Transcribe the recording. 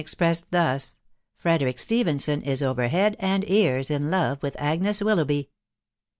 expressed thus .... Frederick Stephenson is over head and ears in love with Agnes Willoughby.